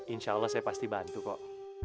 insya allah saya pasti bantu kok